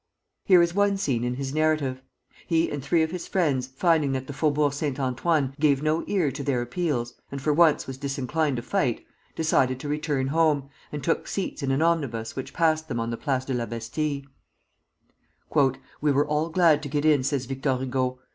Here is one scene in his narrative. He and three of his friends, finding that the Faubourg Saint Antoine gave no ear to their appeals, and for once was disinclined to fight, decided to return home, and took seats in an omnibus which passed them on the Place de la Bastille. "We were all glad to get in," says Victor Hugo.